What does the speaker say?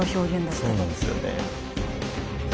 そうなんですよね。